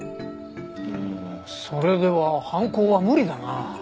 うーんそれでは犯行は無理だな。